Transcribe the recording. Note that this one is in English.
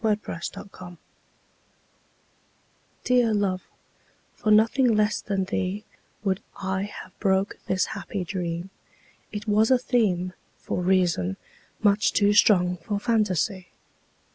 The Dream DEAR love, for nothing less than theeWould I have broke this happy dream; It was a themeFor reason, much too strong for fantasy.